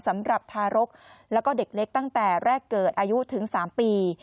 สำหรับทารกแล้วก็เด็กเล็กตั้งแต่แรกเกิดอายุถึง๓ปี